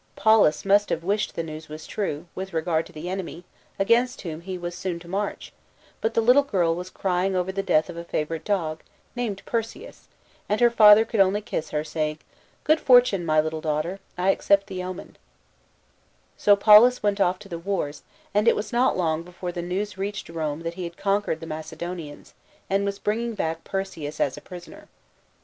" Paulus must have wished the news was true, with regard to the enemy, against whom, he was so soon to march ; but the little girl was crying over the death of a favourite dog, named Per seus, and her father could only kiss her, saying, " Good fortune, my little daughter, I accept the omen/' So Paulus went off to the wars, and it was not long before the news reached Rome, that he had conquered the Macedonians, and was bringing back Perseus as a prisoner.